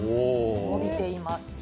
伸びています。